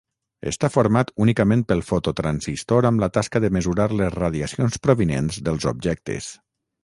Està format únicament pel fototransistor amb la tasca de mesurar les radiacions provinents dels objectes.